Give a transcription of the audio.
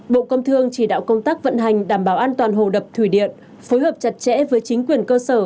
bộ công thương chỉ đạo công tác vận hành đảm bảo an toàn hồ đập thủy điện phối hợp chặt chẽ với chính quyền cơ sở